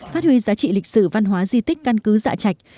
phát huy giá trị lịch sử văn hóa di tích căn cứ dạ chạch